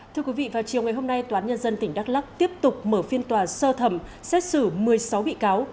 thưa quý vị vào chiều ngày hôm nay toán nhân dân tỉnh đắk lắc tiếp tục mở phiên tòa sơ thẩm xét xử một mươi sáu bị cáo